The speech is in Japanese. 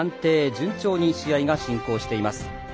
順調に試合が進行しています。